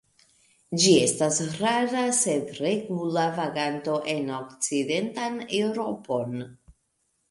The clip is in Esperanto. Ĝi estas rara sed regula vaganto en okcidentan Eŭropon.